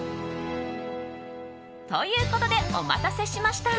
ということで、お待たせしました。